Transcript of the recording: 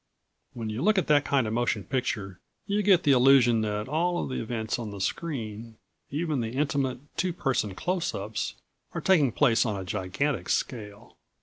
When you look at that kind of motion picture you get the illusion that all of the events on the screen, even the intimate, two person closeups, are taking place on a gigantic scale.